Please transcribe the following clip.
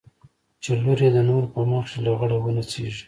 چې لور يې د نورو په مخ کښې لغړه ونڅېږي.